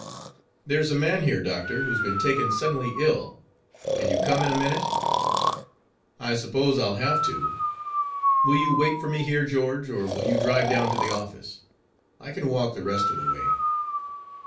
"There's a man here, doctor, who's been taken suddenly ill. Can you come in a minute?" "I suppose I'll have to. Will you wait for me here, George, or will you drive down to the office? I can walk the rest of the way."